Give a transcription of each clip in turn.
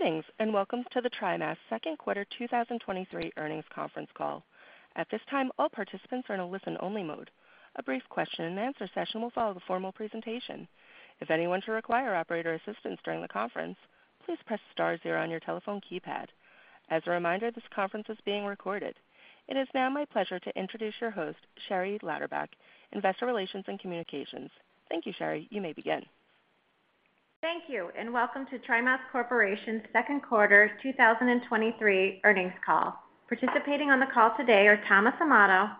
Greetings, welcome to the TriMas second quarter 2023 earnings conference call. At this time, all participants are in a listen-only mode. A brief question-and-answer session will follow the formal presentation. If anyone should require operator assistance during the conference, please press star zero on your telephone keypad. As a reminder, this conference is being recorded. It is now my pleasure to introduce your host, Sherry Lauderback, Investor Relations and Communications. Thank you, Sherry. You may begin. Thank you, and welcome to TriMas Corporation's second quarter 2023 earnings call. Participating on the call today are Thomas Amato,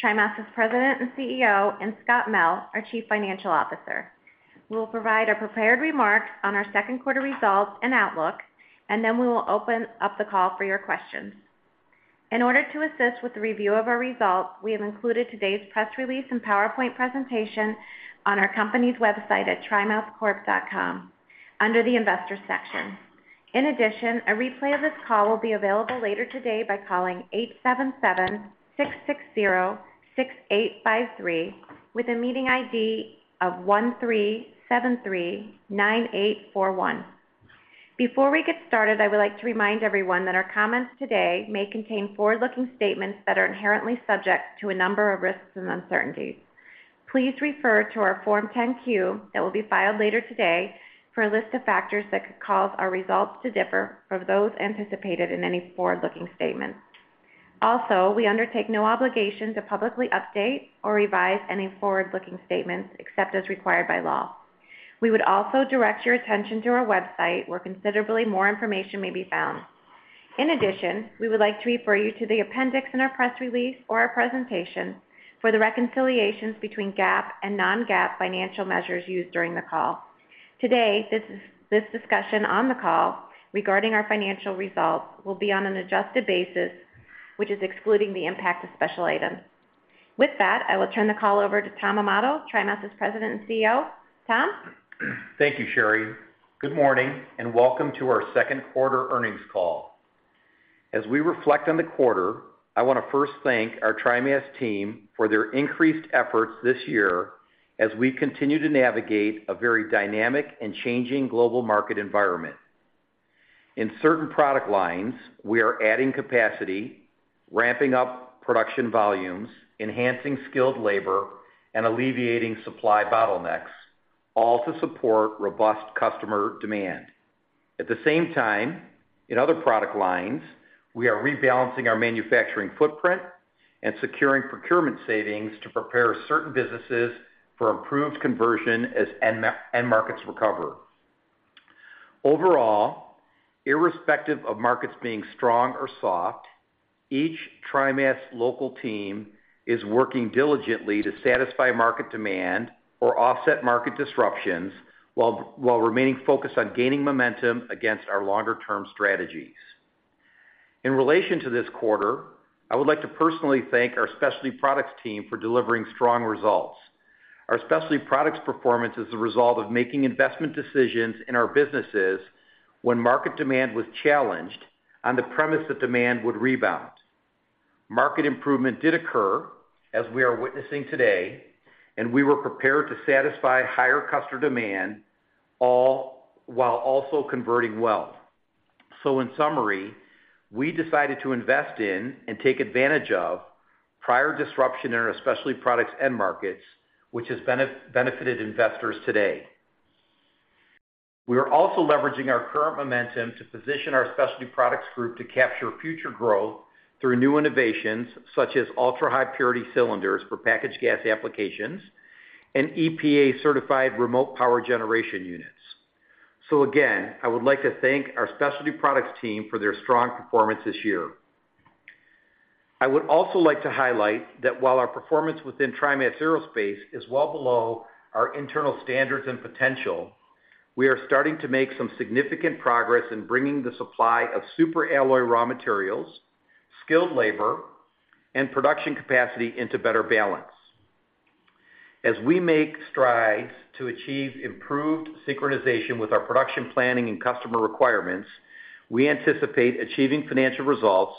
TriMas's President and CEO, and Scott Mell, our Chief Financial Officer. We will provide our prepared remarks on our second quarter results and outlook. Then we will open up the call for your questions. In order to assist with the review of our results, we have included today's press release and PowerPoint presentation on our company's website at trimascorp.com under the Investors section. In addition, a replay of this call will be available later today by calling (877) 660-6853, with a meeting ID of 13739841. Before we get started, I would like to remind everyone that our comments today may contain forward-looking statements that are inherently subject to a number of risks and uncertainties. Please refer to our Form 10-Q that will be filed later today for a list of factors that could cause our results to differ from those anticipated in any forward-looking statements. We undertake no obligation to publicly update or revise any forward-looking statements, except as required by law. We would also direct your attention to our website, where considerably more information may be found. We would like to refer you to the appendix in our press release or our presentation for the reconciliations between GAAP and non-GAAP financial measures used during the call. Today, this discussion on the call regarding our financial results will be on an adjusted basis, which is excluding the impact of special items. With that, I will turn the call over to Tom Amato, TriMas's President and CEO. Tom? Thank you, Sherry. Good morning, welcome to our second quarter earnings call. As we reflect on the quarter, I want to first thank our TriMas team for their increased efforts this year as we continue to navigate a very dynamic and changing global market environment. In certain product lines, we are adding capacity, ramping up production volumes, enhancing skilled labor, and alleviating supply bottlenecks, all to support robust customer demand. At the same time, in other product lines, we are rebalancing our manufacturing footprint and securing procurement savings to prepare certain businesses for improved conversion as end markets recover. Overall, irrespective of markets being strong or soft, each TriMas local team is working diligently to satisfy market demand or offset market disruptions, while remaining focused on gaining momentum against our longer-term strategies. In relation to this quarter, I would like to personally thank our Specialty Products team for delivering strong results. Our Specialty Products performance is a result of making investment decisions in our businesses when market demand was challenged on the premise that demand would rebound. Market improvement did occur, as we are witnessing today, and we were prepared to satisfy higher customer demand, all while also converting well. In summary, we decided to invest in and take advantage of prior disruption in our Specialty Products end markets, which has benefited investors today. We are also leveraging our current momentum to position our Specialty Products group to capture future growth through new innovations, such as ultra-high purity cylinders for packaged gas applications and EPA-certified remote power generation units. Again, I would like to thank our Specialty Products team for their strong performance this year. I would also like to highlight that while our performance within TriMas Aerospace is well below our internal standards and potential, we are starting to make some significant progress in bringing the supply of superalloy raw materials, skilled labor, and production capacity into better balance. As we make strides to achieve improved synchronization with our production planning and customer requirements, we anticipate achieving financial results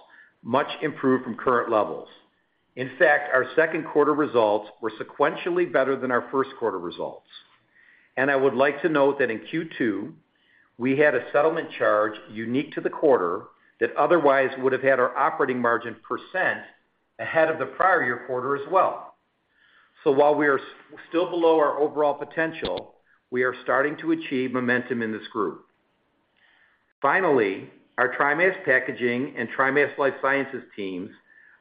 much improved from current levels. In fact, our second quarter results were sequentially better than our first quarter results. I would like to note that in Q2, we had a settlement charge unique to the quarter that otherwise would have had our operating margin percent ahead of the prior year quarter as well. While we are still below our overall potential, we are starting to achieve momentum in this group. Finally, our TriMas Packaging and TriMas Life Sciences teams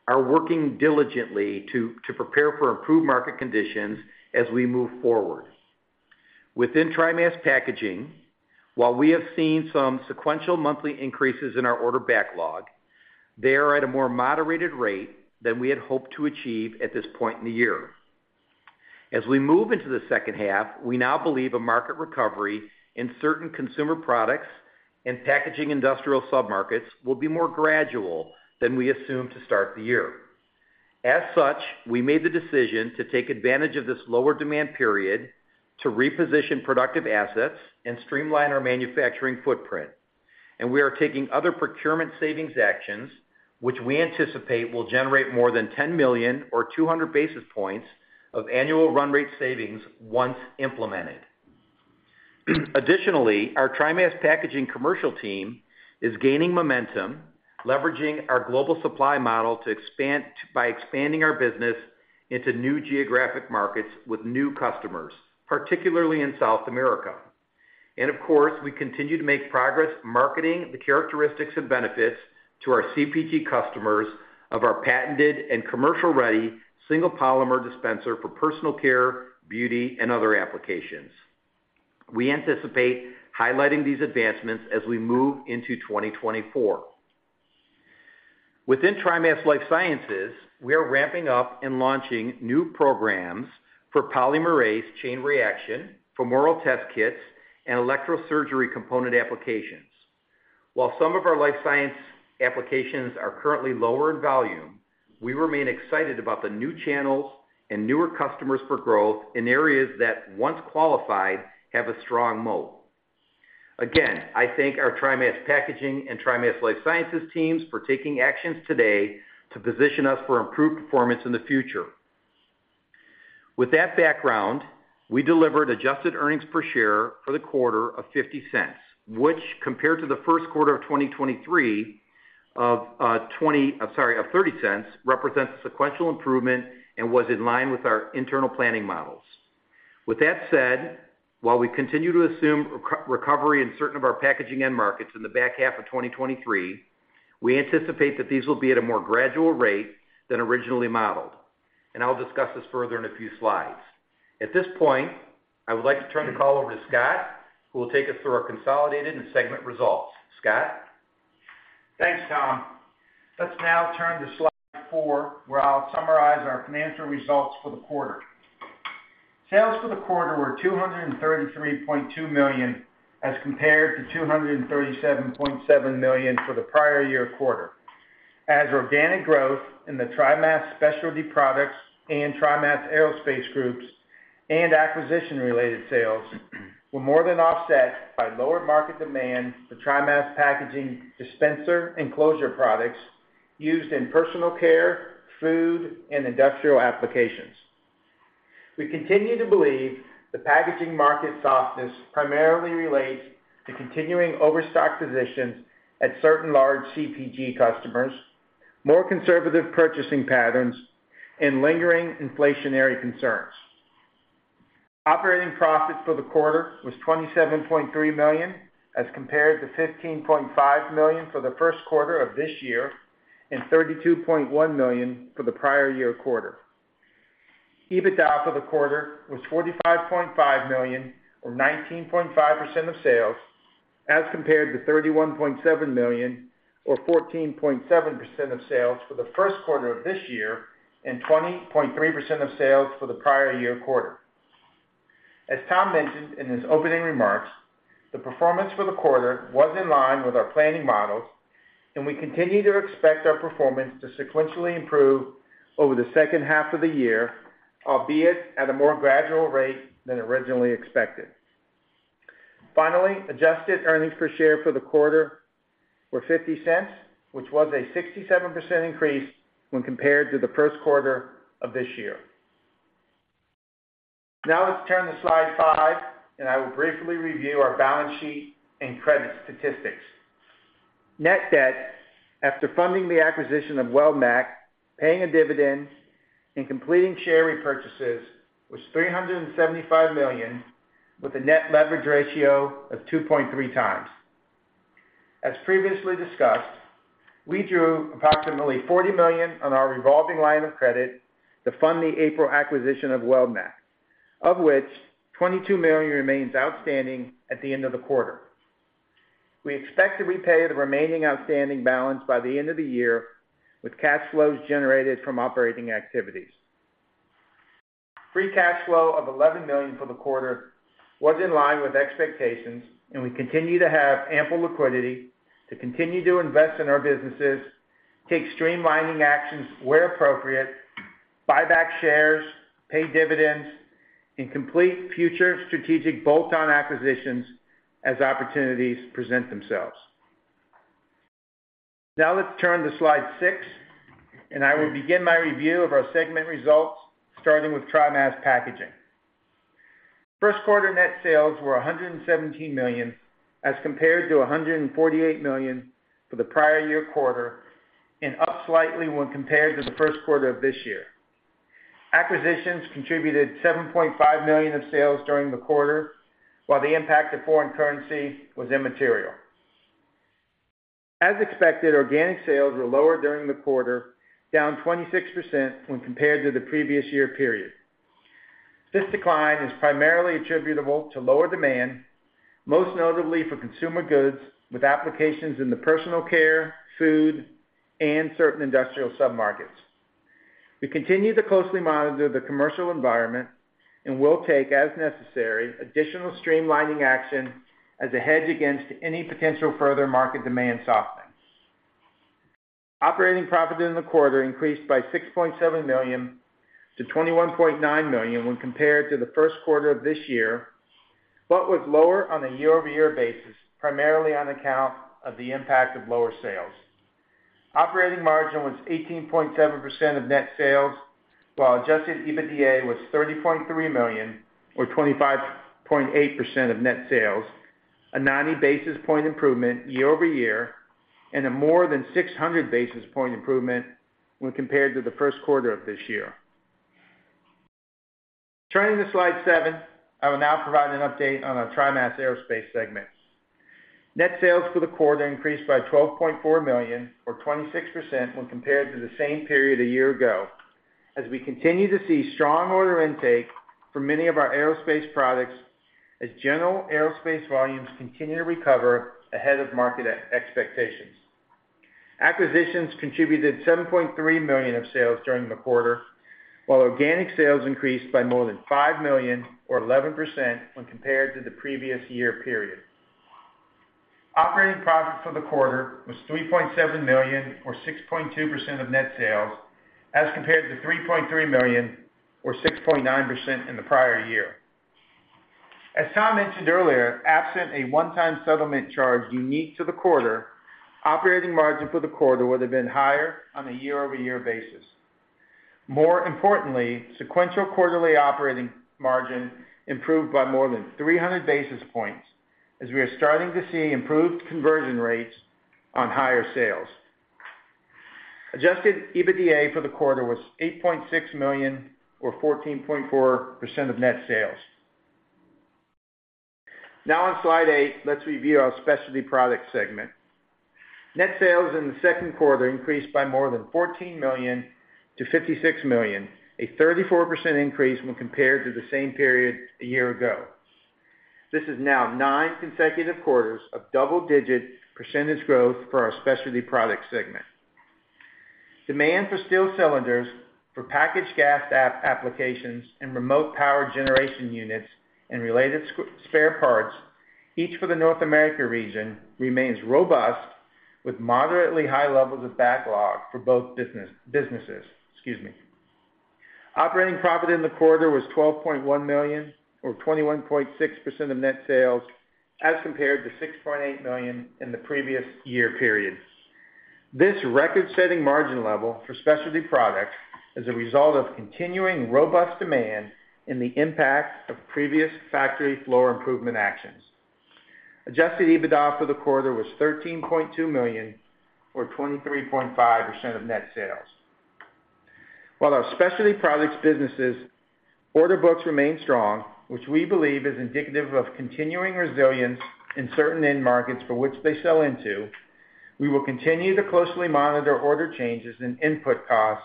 are working diligently to prepare for improved market conditions as we move forward. Within TriMas Packaging, while we have seen some sequential monthly increases in our order backlog, they are at a more moderated rate than we had hoped to achieve at this point in the year. As we move into the second half, we now believe a market recovery in certain consumer products and packaging industrial submarkets will be more gradual than we assumed to start the year. As such, we made the decision to take advantage of this lower demand period to reposition productive assets and streamline our manufacturing footprint, and we are taking other procurement savings actions, which we anticipate will generate more than $10 million or 200 basis points of annual run rate savings once implemented. Additionally, our TriMas Packaging commercial team is gaining momentum, leveraging our global supply model by expanding our business into new geographic markets with new customers, particularly in South America. Of course, we continue to make progress marketing the characteristics and benefits to our CPG customers of our patented and commercial-ready single-polymer dispenser for personal care, beauty, and other applications. We anticipate highlighting these advancements as we move into 2024. Within TriMas Life Sciences, we are ramping up and launching new programs for polymerase chain reaction, for oral test kits, and electrosurgery component applications. While some of our life science applications are currently lower in volume, we remain excited about the new channels and newer customers for growth in areas that, once qualified, have a strong moat. Again, I thank our TriMas Packaging and TriMas Life Sciences teams for taking actions today to position us for improved performance in the future. With that background, we delivered adjusted earnings per share for the quarter of $0.50, which, compared to the first quarter of 2023 of $0.20, sorry, of $0.30, represents a sequential improvement and was in line with our internal planning models. With that said, while we continue to assume recovery in certain of our packaging end markets in the back half of 2023, we anticipate that these will be at a more gradual rate than originally modeled, and I'll discuss this further in a few slides. At this point, I would like to turn the call over to Scott, who will take us through our consolidated and segment results. Scott? Thanks, Tom. Let's now turn to Slide 4, where I'll summarize our financial results for the quarter. Sales for the quarter were $233.2 million, as compared to $237.7 million for the prior year quarter. As organic growth in the TriMas Specialty Products and TriMas Aerospace groups and acquisition-related sales were more than offset by lower market demand for TriMas Packaging dispenser and closure products used in personal care, food, and industrial applications. We continue to believe the packaging market softness primarily relates to continuing overstock positions at certain large CPG customers, more conservative purchasing patterns, and lingering inflationary concerns. Operating profit for the quarter was $27.3 million, as compared to $15.5 million for the first quarter of this year, and $32.1 million for the prior year quarter. EBITDA for the quarter was $45.5 million, or 19.5% of sales, as compared to $31.7 million, or 14.7% of sales for the first quarter of this year, and 20.3% of sales for the prior year quarter. As Tom mentioned in his opening remarks, the performance for the quarter was in line with our planning models, and we continue to expect our performance to sequentially improve over the second half of the year, albeit at a more gradual rate than originally expected. Finally, adjusted earnings per share for the quarter were $0.50, which was a 67% increase when compared to the first quarter of this year. Let's turn to Slide 5, and I will briefly review our balance sheet and credit statistics. Net debt, after funding the acquisition of Weldmac, paying a dividend, and completing share repurchases, was $375 million, with a net leverage ratio of 2.3x. As previously discussed, we drew approximately $40 million on our revolving line of credit to fund the April acquisition of Weldmac, of which $22 million remains outstanding at the end of the quarter. We expect to repay the remaining outstanding balance by the end of the year with cash flows generated from operating activities. Free cash flow of $11 million for the quarter was in line with expectations, we continue to have ample liquidity to continue to invest in our businesses, take streamlining actions where appropriate, buy back shares, pay dividends, and complete future strategic bolt-on acquisitions as opportunities present themselves. Now, let's turn to Slide 6, and I will begin my review of our segment results, starting with TriMas Packaging. First quarter net sales were $117 million, as compared to $148 million for the prior year quarter, and up slightly when compared to the first quarter of this year. Acquisitions contributed $7.5 million of sales during the quarter, while the impact of foreign currency was immaterial. As expected, organic sales were lower during the quarter, down 26% when compared to the previous year period. This decline is primarily attributable to lower demand, most notably for consumer goods, with applications in the personal care, food, and certain industrial submarkets. We continue to closely monitor the commercial environment and will take, as necessary, additional streamlining action as a hedge against any potential further market demand softness. Operating profit in the quarter increased by $6.7 million to $21.9 million when compared to the first quarter of this year. Was lower on a year-over-year basis, primarily on account of the impact of lower sales. Operating margin was 18.7% of net sales, while adjusted EBITDA was $30.3 million, or 25.8% of net sales, a 90 basis point improvement year-over-year, and a more than 600 basis point improvement when compared to the first quarter of this year. Turning to Slide 7, I will now provide an update on our TriMas Aerospace segment. Net sales for the quarter increased by $12.4 million, or 26% when compared to the same period a year ago, as we continue to see strong order intake for many of our aerospace products, as general aerospace volumes continue to recover ahead of market expectations. Acquisitions contributed $7.3 million of sales during the quarter, while organic sales increased by more than $5 million or 11% when compared to the previous year period. Operating profit for the quarter was $3.7 million, or 6.2% of net sales, as compared to $3.3 million, or 6.9% in the prior year. As Tom mentioned earlier, absent a one-time settlement charge unique to the quarter, operating margin for the quarter would have been higher on a year-over-year basis. More importantly, sequential quarterly operating margin improved by more than 300 basis points, as we are starting to see improved conversion rates on higher sales. Adjusted EBITDA for the quarter was $8.6 million, or 14.4% of net sales. On Slide 8, let's review our Specialty Products segment. Net sales in the second quarter increased by more than $14 million to $56 million, a 34% increase when compared to the same period a year ago. This is now nine consecutive quarters of double-digit percentage growth for our Specialty Products segment. Demand for steel cylinders, for packaged gas applications, and remote power generation units and related spare parts, each for the North America region, remains robust, with moderately high levels of backlog for both businesses, excuse me. Operating profit in the quarter was $12.1 million, or 21.6% of net sales, as compared to $6.8 million in the previous year period. This record-setting margin level for Specialty Products is a result of continuing robust demand and the impact of previous factory floor improvement actions. Adjusted EBITDA for the quarter was $13.2 million, or 23.5% of net sales. While our Specialty Products businesses order books remain strong, which we believe is indicative of continuing resilience in certain end markets for which they sell into, we will continue to closely monitor order changes and input costs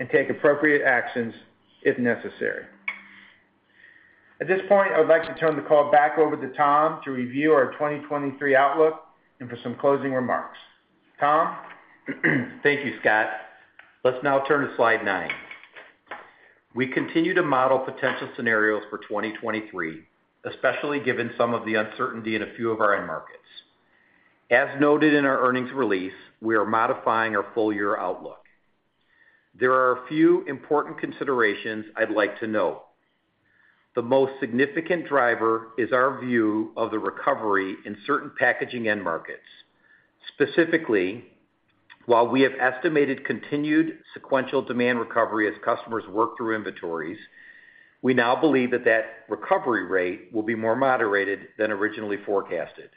and take appropriate actions if necessary. At this point, I would like to turn the call back over to Tom to review our 2023 outlook and for some closing remarks. Tom? Thank you, Scott. Let's now turn to Slide 9. We continue to model potential scenarios for 2023, especially given some of the uncertainty in a few of our end markets. As noted in our earnings release, we are modifying our full year outlook. There are a few important considerations I'd like to note. The most significant driver is our view of the recovery in certain packaging end markets. Specifically, while we have estimated continued sequential demand recovery as customers work through inventories, we now believe that recovery rate will be more moderated than originally forecasted.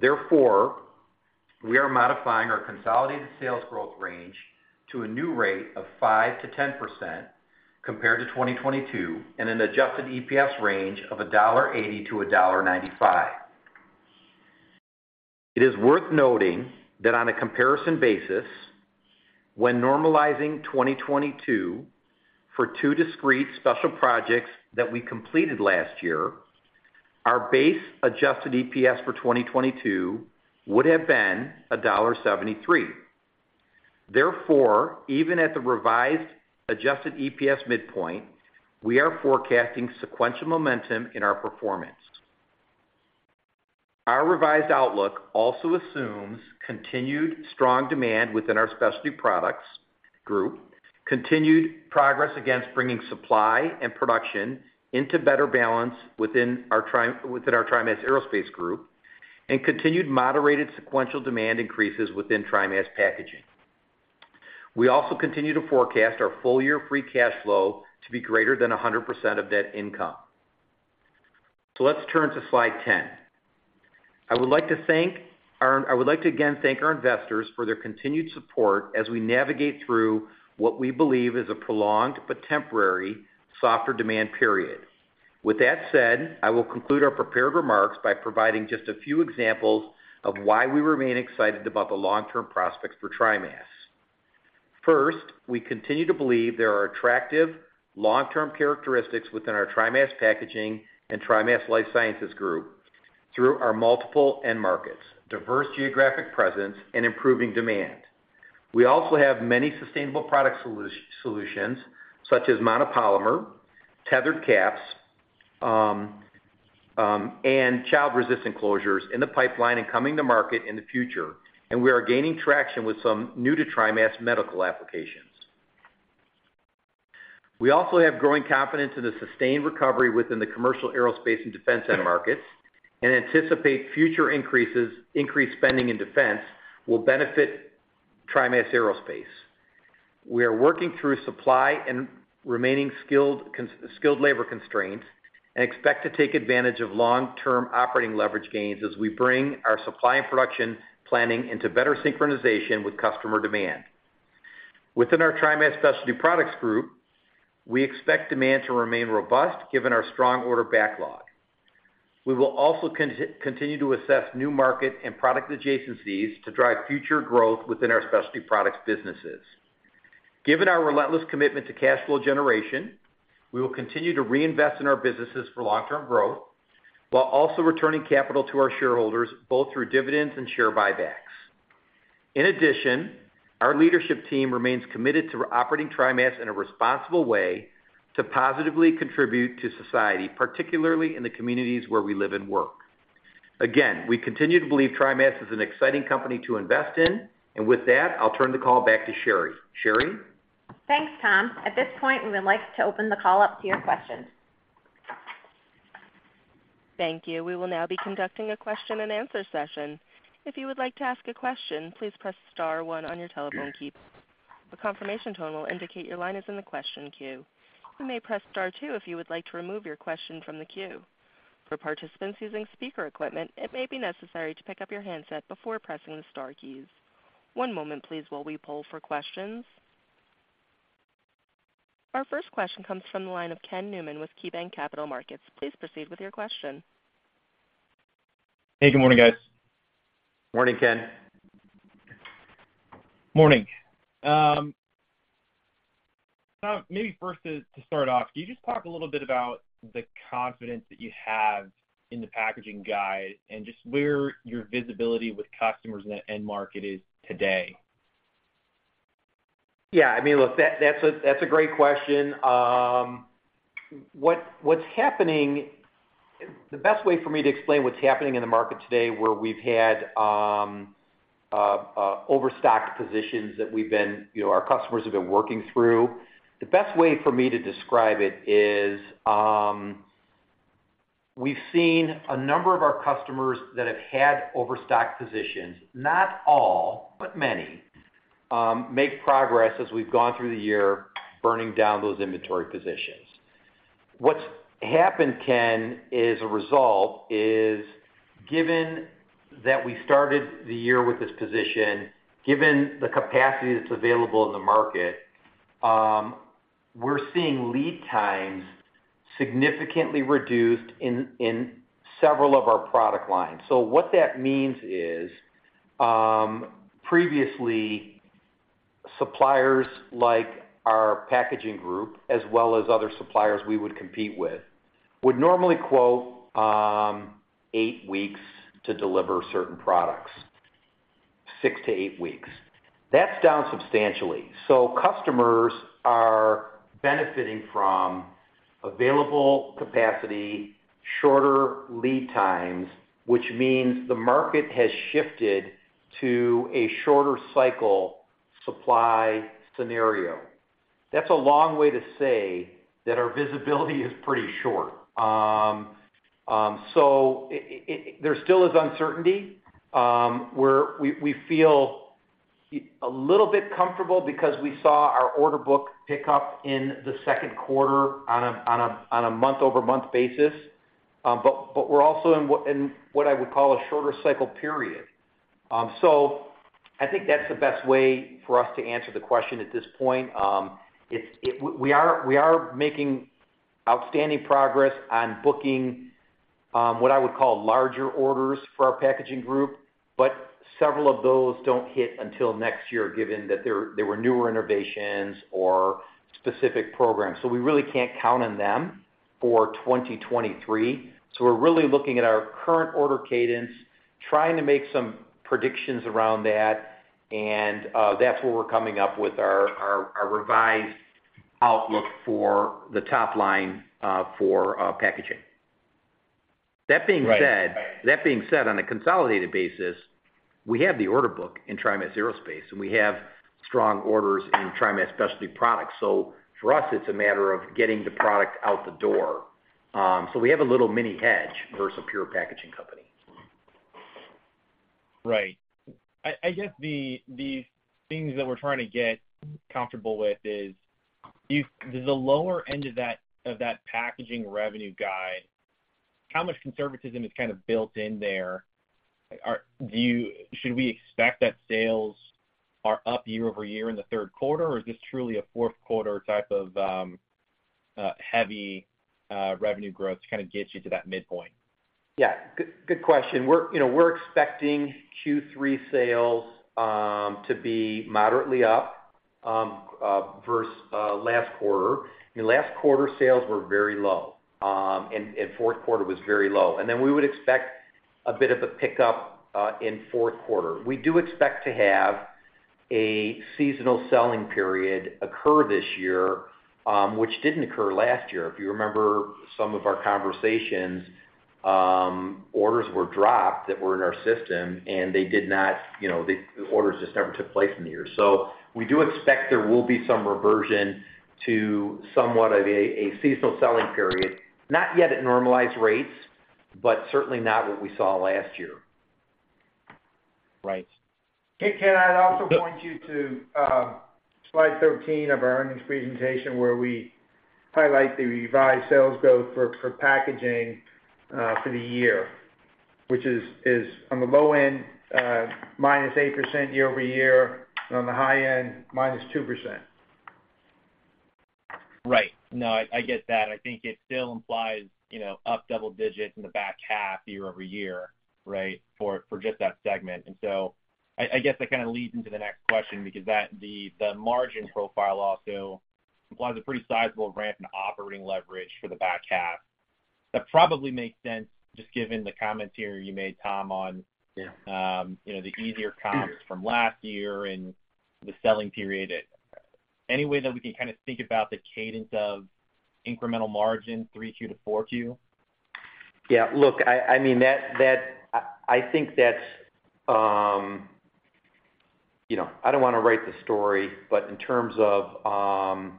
We are modifying our consolidated sales growth range to a new rate of 5%-10% compared to 2022, and an adjusted EPS range of $1.80-$1.95. It is worth noting that on a comparison basis, when normalizing 2022 for two discrete special projects that we completed last year, our base adjusted EPS for 2022 would have been $1.73. Even at the revised adjusted EPS midpoint, we are forecasting sequential momentum in our performance. Our revised outlook also assumes continued strong demand within our Specialty Products group, continued progress against bringing supply and production into better balance within our TriMas Aerospace group, and continued moderated sequential demand increases within TriMas Packaging. We also continue to forecast our full year free cash flow to be greater than 100% of net income. Let's turn to Slide 10. I would like to again thank our investors for their continued support as we navigate through what we believe is a prolonged but temporary softer demand period. With that said, I will conclude our prepared remarks by providing just a few examples of why we remain excited about the long-term prospects for TriMas. First, we continue to believe there are attractive long-term characteristics within our TriMas Packaging and TriMas Life Sciences group through our multiple end markets, diverse geographic presence, and improving demand. We also have many sustainable product solutions, such as mono-polymer, tethered caps, and child-resistant closures in the pipeline and coming to market in the future, and we are gaining traction with some new to TriMas medical applications. We also have growing confidence in the sustained recovery within the commercial aerospace and defense end markets, and anticipate future increases, increased spending in defense will benefit TriMas Aerospace. We are working through supply and remaining skilled labor constraints, and expect to take advantage of long-term operating leverage gains as we bring our supply and production planning into better synchronization with customer demand. Within our TriMas Specialty Products group, we expect demand to remain robust, given our strong order backlog. We will also continue to assess new market and product adjacencies to drive future growth within our Specialty Products businesses. Given our relentless commitment to cash flow generation, we will continue to reinvest in our businesses for long-term growth, while also returning capital to our shareholders, both through dividends and share buybacks. In addition, our leadership team remains committed to operating TriMas in a responsible way to positively contribute to society, particularly in the communities where we live and work. Again, we continue to believe TriMas is an exciting company to invest in. With that, I'll turn the call back to Sherry. Sherry? Thanks, Tom. At this point, we would like to open the call up to your questions. Thank you. We will now be conducting a question-and-answer session. If you would like to ask a question, please press star one on your telephone keypad. A confirmation tone will indicate your line is in the question queue. You may press star two if you would like to remove your question from the queue. For participants using speaker equipment, it may be necessary to pick up your handset before pressing the star keys. One moment, please, while we poll for questions. Our first question comes from the line of Ken Newman with KeyBanc Capital Markets. Please proceed with your question. Hey, good morning, guys. Morning, Ken. Morning. Tom, maybe first to start off, can you just talk a little bit about the confidence that you have in the packaging guide and just where your visibility with customers in the end market is today? Yeah, I mean, look, that's a great question. The best way for me to explain what's happening in the market today, where we've had overstocked positions that we've been, you know, our customers have been working through. The best way for me to describe it is, we've seen a number of our customers that have had overstocked positions, not all, but many, make progress as we've gone through the year, burning down those inventory positions. What's happened, Ken, as a result, is given that we started the year with this position, given the capacity that's available in the market, we're seeing lead times significantly reduced in several of our product lines. What that means is, previously, suppliers like our packaging group, as well as other suppliers we would compete with, would normally quote eight weeks to deliver certain products, six to eight weeks. That's down substantially. Customers are benefiting from available capacity, shorter lead times, which means the market has shifted to a shorter cycle supply scenario. That's a long way to say that our visibility is pretty short. There still is uncertainty. We feel a little bit comfortable because we saw our order book pick up in the second quarter on a month-over-month basis. But we're also in what I would call a shorter cycle period. I think that's the best way for us to answer the question at this point. We are making outstanding progress on booking, what I would call larger orders for our packaging group, several of those don't hit until next year, given that they were newer innovations or specific programs. We really can't count on them for 2023. We're really looking at our current order cadence, trying to make some predictions around that, and that's where we're coming up with our revised outlook for the top line for packaging. Right. That being said, on a consolidated basis, we have the order book in TriMas Aerospace, and we have strong orders in TriMas Specialty Products. For us, it's a matter of getting the product out the door. We have a little mini hedge versus a pure packaging company. Right. I guess the things that we're trying to get comfortable with is, if the lower end of that packaging revenue guide, how much conservatism is kind of built in there? Should we expect that sales are up year-over-year in the third quarter, or is this truly a fourth quarter type of heavy revenue growth to kind of get you to that midpoint? Yeah, good question. We're, you know, we're expecting Q3 sales to be moderately up versus last quarter. The last quarter sales were very low and fourth quarter was very low. We would expect a bit of a pickup in fourth quarter. We do expect to have a seasonal selling period occur this year, which didn't occur last year. If you remember some of our conversations, orders were dropped that were in our system, and they did not, you know, the orders just never took place in the year. We do expect there will be some reversion to somewhat of a seasonal selling period, not yet at normalized rates, but certainly not what we saw last year. Right. Hey, Ken, I'd also point you to Slide 13 of our earnings presentation, where we highlight the revised sales growth for packaging, for the year, which is on the low end, -8% year-over-year, and on the high end, -2%. Right. No, I get that. I think it still implies, you know, up double digits in the back half year-over-year, right? For just that segment. I guess that kind of leads into the next question because the margin profile also implies a pretty sizable ramp in operating leverage for the back half. That probably makes sense, just given the comments here you made, Tom, on you know, the easier comps from last year and the selling period. Any way that we can kind of think about the cadence of incremental margin, 3Q to 4Q? I mean, that I think that's, you know, I don't wanna write the story, but in terms of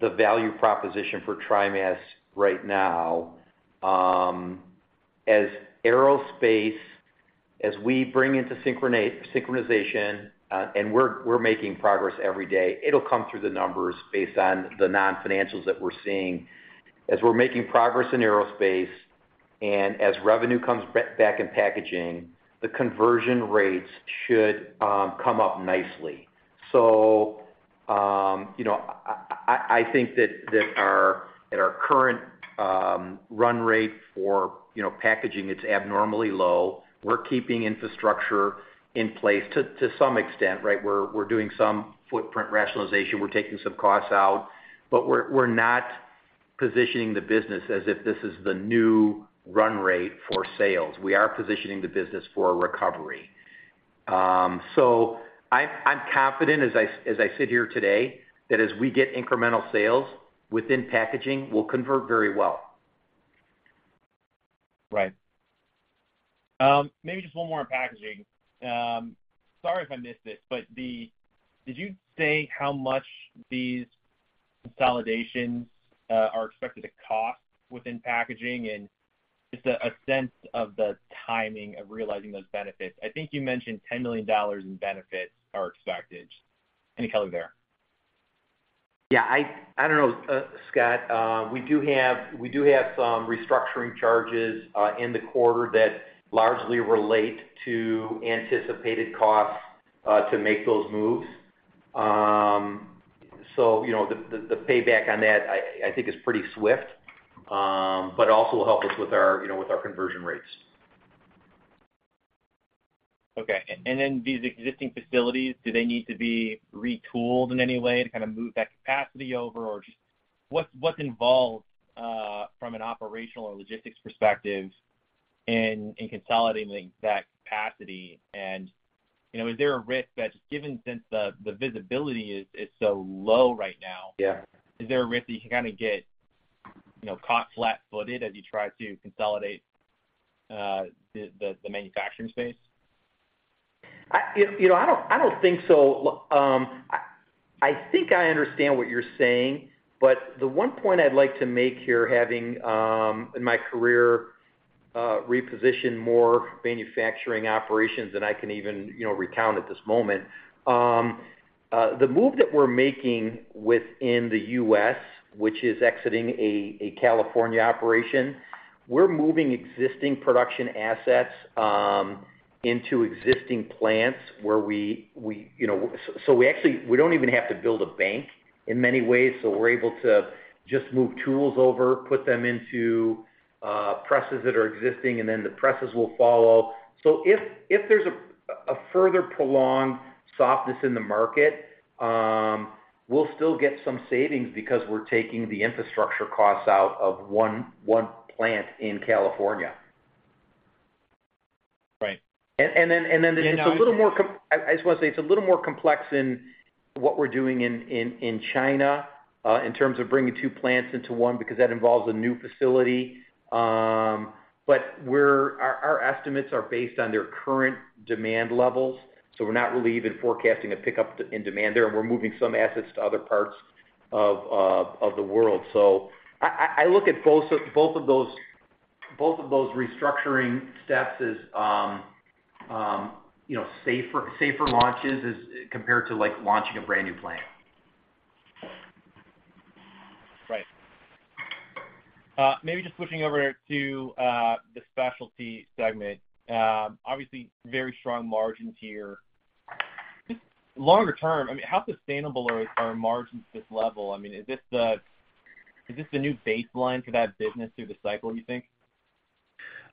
the value proposition for TriMas right now, as aerospace, as we bring into synchronization, and we're making progress every day, it'll come through the numbers based on the non-financials that we're seeing. As we're making progress in aerospace and as revenue comes back in packaging, the conversion rates should come up nicely. You know, I, I, I think that our, at our current run rate for, you know, packaging, it's abnormally low. We're keeping infrastructure in place to some extent, right? We're doing some footprint rationalization. We're taking some costs out, but we're not positioning the business as if this is the new run rate for sales. We are positioning the business for a recovery. I'm confident as I sit here today, that as we get incremental sales within packaging, we'll convert very well. Right. Maybe just one more on packaging. Sorry if I missed it, but did you say how much these consolidations are expected to cost within packaging? Just a sense of the timing of realizing those benefits. I think you mentioned $10 million in benefits are expected. Any color there? I don't know, Scott. We do have some restructuring charges in the quarter that largely relate to anticipated costs to make those moves. You know, the payback on that I think is pretty swift, but also will help us with our, you know, with our conversion rates. Okay. Then these existing facilities, do they need to be retooled in any way to kind of move that capacity over? Just what's involved from an operational or logistics perspective in consolidating that capacity? You know, is there a risk that, just given since the visibility is so low right now? Yeah. Is there a risk that you can kind of get, you know, caught flat-footed as you try to consolidate, the manufacturing space? I, you know, I don't, I don't think so. Look, I, I think I understand what you're saying, but the one point I'd like to make here, having in my career repositioned more manufacturing operations than I can even, you know, recount at this moment. The move that we're making within the U.S., which is exiting a California operation, we're moving existing production assets into existing plants where we, you know, we actually we don't even have to build a bank in many ways. We're able to just move tools over, put them into presses that are existing, and then the presses will follow. If there's a further prolonged softness in the market, we'll still get some savings because we're taking the infrastructure costs out of one plant in California. Right. It's a little more complex in what we're doing in China, in terms of bringing two plants into one, because that involves a new facility. We're our estimates are based on their current demand levels, so we're not really even forecasting a pickup in demand there, and we're moving some assets to other parts of the world. I look at both of those restructuring steps as, you know, safer launches as compared to, like, launching a brand-new plant. Right. maybe just switching over to the Specialty segment. obviously, very strong margins here. Just longer term, I mean, how sustainable are margins at this level? I mean, is this the new baseline for that business through the cycle, you think?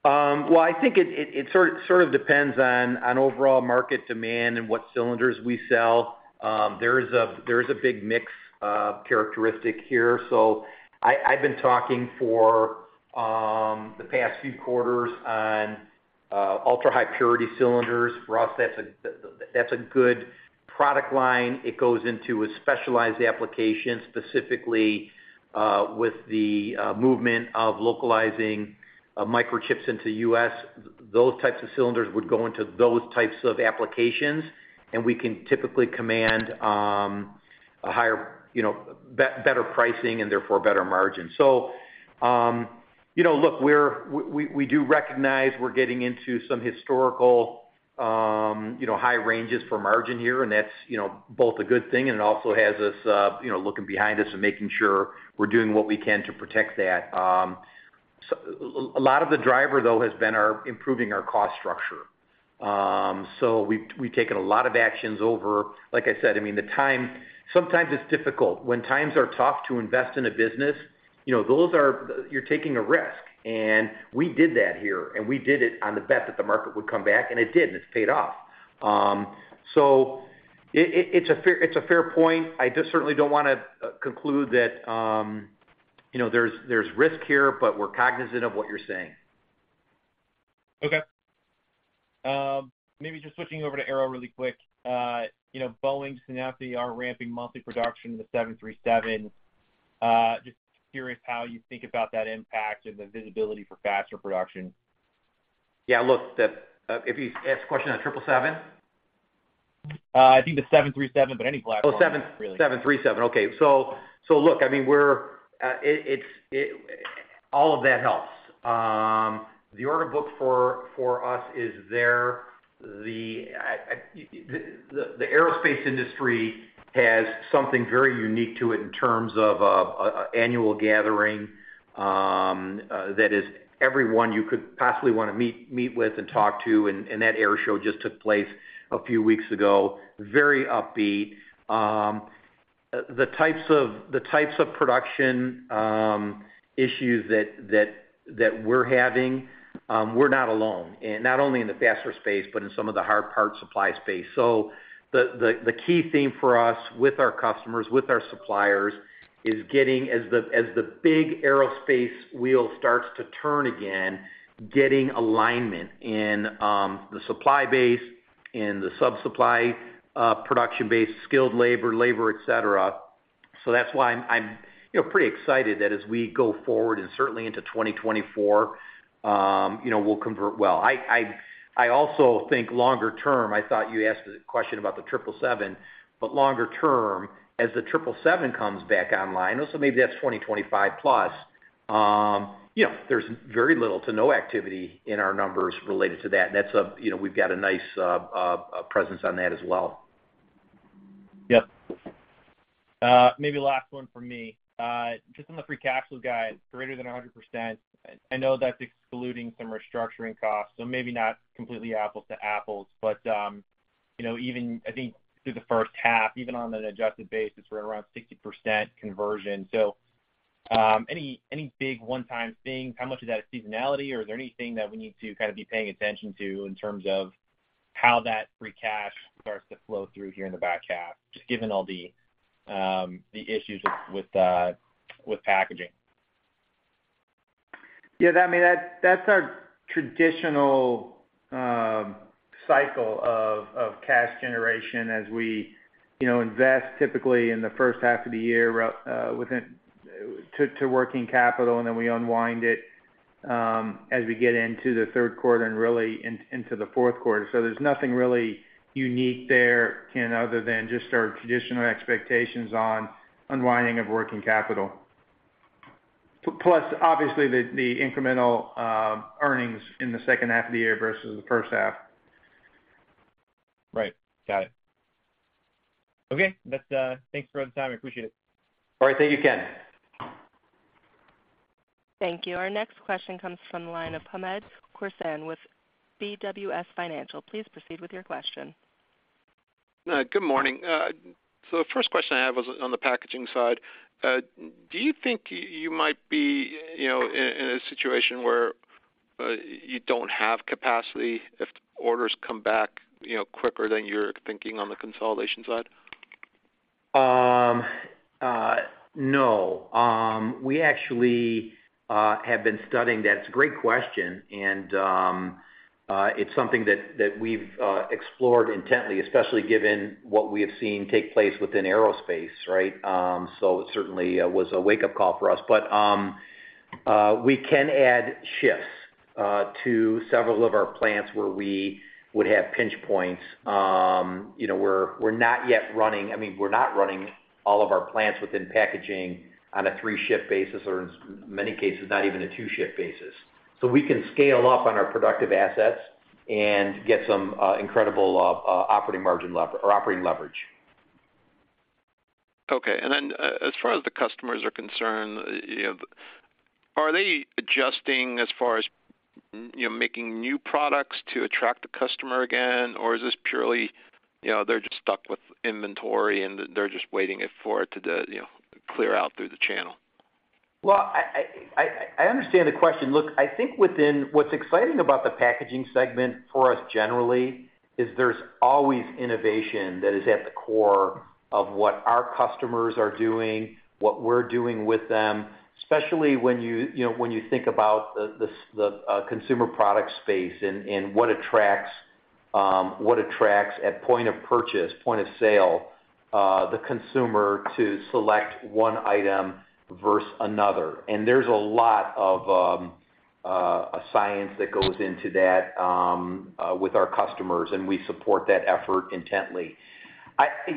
Well, I think it sort of depends on overall market demand and what cylinders we sell. There is a big mix characteristic here. I've been talking for the past few quarters on ultra-high purity cylinders. For us, that's a good product line. It goes into a specialized application, specifically, with the movement of localizing microchips into U.S. Those types of cylinders would go into those types of applications, and we can typically command a higher, you know, better pricing, and therefore, better margin. You know, look, we do recognize we're getting into some historical, you know, high ranges for margin here, and that's, you know, both a good thing, and it also has us, you know, looking behind us and making sure we're doing what we can to protect that. A lot of the driver, though, has been our improving our cost structure. We've taken a lot of actions like I said, I mean. Sometimes it's difficult when times are tough to invest in a business. You know, you're taking a risk, and we did that here, and we did it on the bet that the market would come back, and it did, and it's paid off. It's a fair, it's a fair point. I just certainly don't wanna conclude that, you know, there's risk here, but we're cognizant of what you're saying. Okay. Maybe just switching over to Aero really quick. You know, Boeing's announced they are ramping monthly production of the 737. Just curious how you think about that impact and the visibility for faster production? Yeah, look, the, if you ask a question on 777? I think the 737, but any platform, really. Oh, 737. Okay. Look, I mean, we're, it's all of that helps. The order book for us is there. The aerospace industry has something very unique to it in terms of an annual gathering that is everyone you could possibly wanna meet with and talk to, and that air show just took place a few weeks ago. Very upbeat. The types of production issues that we're having, we're not alone, and not only in the fastener space, but in some of the hard parts supply space. The key theme for us with our customers, with our suppliers, is getting as the big aerospace wheel starts to turn again, getting alignment in the supply base and the sub-supply production base, skilled labor, labor, et cetera. That's why I'm, you know, pretty excited that as we go forward, and certainly into 2024, you know, we'll convert well. I also think longer term, I thought you asked the question about the 777, longer term, as the 777 comes back online, also maybe that's 2025 plus, you know, there's very little to no activity in our numbers related to that. That's a, you know, we've got a nice presence on that as well. Yep. Maybe last one for me. Just on the free cash flow guide, greater than 100%. I know that's excluding some restructuring costs, so maybe not completely apples to apples. You know, even I think through the first half, even on an adjusted basis, we're around 60% conversion. Any big one-time things, how much of that is seasonality, or is there anything that we need to kind of be paying attention to in terms of how that free cash starts to flow through here in the back half, just given all the issues with packaging? Yeah, I mean, that, that's our traditional cycle of cash generation as we, you know, invest typically in the first half of the year, to working capital, and then we unwind it as we get into the third quarter and really into the fourth quarter. There's nothing really unique there, Ken, other than just our traditional expectations on unwinding of working capital. Plus, obviously, the incremental earnings in the second half of the year versus the first half. Right. Got it. Okay. That's, thanks for the time. I appreciate it. All right. Thank you, Ken. Thank you. Our next question comes from the line of Hamed Khorsand with BWS Financial. Please proceed with your question. Good morning. The first question I have was on the packaging side. Do you think you might be, you know, in, in a situation where you don't have capacity if orders come back, you know, quicker than you're thinking on the consolidation side? No. We actually have been studying that. It's a great question. It's something that we've explored intently, especially given what we have seen take place within aerospace, right? It certainly was a wake-up call for us. We can add shifts to several of our plants where we would have pinch points. You know, I mean, we're not running all of our plants within packaging on a three-shift basis, or in many cases, not even a two-shift basis. We can scale up on our productive assets and get some incredible operating margin lever or operating leverage. Okay. As far as the customers are concerned, you know, are they adjusting as far as, you know, making new products to attract the customer again? Or is this purely, you know, they're just stuck with inventory and they're just waiting it for it to, you know, clear out through the channel? Well, I understand the question. Look, I think what's exciting about the packaging segment for us generally, is there's always innovation that is at the core of what our customers are doing, what we're doing with them, especially when you, you know, when you think about the consumer product space and what attracts, what attracts at point of purchase, point of sale, the consumer to select one item versus another. There's a lot of science that goes into that with our customers, and we support that effort intently.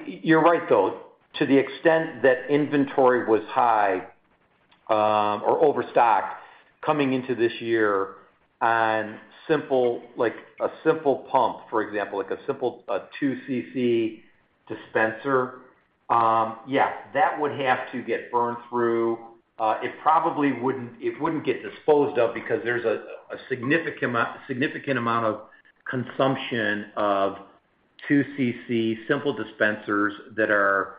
You're right, though. To the extent that inventory was high, or overstocked coming into this year on simple, like, a simple pump, for example, like a simple, 2cc dispenser, yeah, that would have to get burned through. It probably wouldn't get disposed of because there's a significant amount of consumption of 2cc simple dispensers that are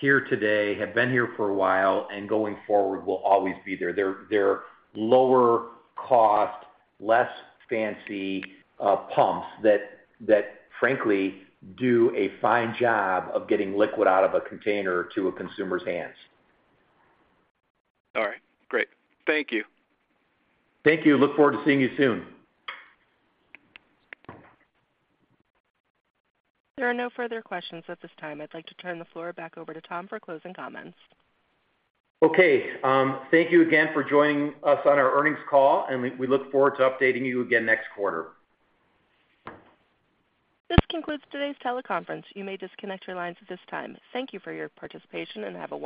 here today, have been here for a while, and going forward, will always be there. They're lower cost, less fancy, pumps that, that frankly, do a fine job of getting liquid out of a container to a consumer's hands. All right, great. Thank you. Thank you. Look forward to seeing you soon. There are no further questions at this time. I'd like to turn the floor back over to Tom for closing comments. Okay. thank you again for joining us on our earnings call, and we look forward to updating you again next quarter. This concludes today's teleconference. You may disconnect your lines at this time. Thank you for your participation, and have a wonderful day.